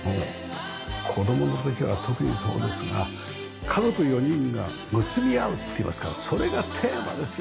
子供の時は特にそうですが家族４人がむつみ合うっていいますかそれがテーマですよね。